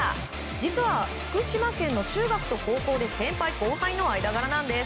実は福島県の中学と高校で先輩後輩の間柄なんです。